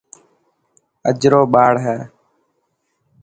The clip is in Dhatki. اجرو ٻاڙ هي.